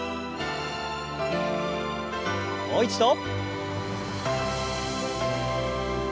もう一度。